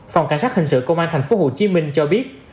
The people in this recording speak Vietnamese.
phòng cảnh sát hình sự công an tp hcm cho biết